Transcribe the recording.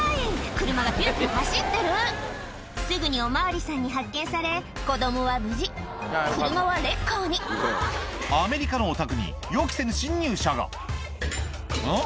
車がビュンビュン走ってるすぐにお巡りさんに発見され子供は無事車はレッカーにアメリカのお宅に予期せぬ侵入者がうん？